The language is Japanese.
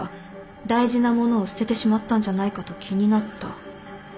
大事な物を捨ててしまったんじゃないかと気になった。